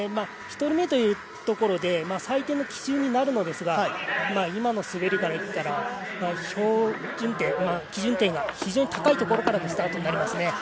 １人目というところで採点の基準になるのですが今の滑りからいったら基準点が非常に高いところからスタートになりますね。